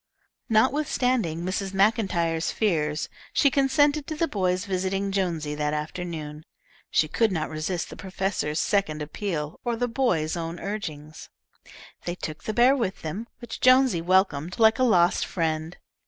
Notwithstanding Mrs. Maclntyre's fears, she consented to the boys visiting Jonesy that afternoon. She could not resist the professor's second appeal or the boys' own urging. They took the bear with them, which Jonesy welcomed like a lost friend.